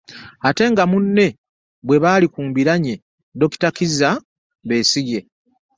Ate nga munne bwe baali ku mbiranye Dokita Kizza Besigye